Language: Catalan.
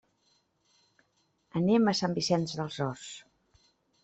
Anem a Sant Vicenç dels Horts.